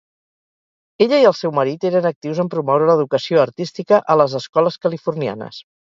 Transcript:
Ella i el seu marit eren actius en promoure l'educació artística a les escoles californianes.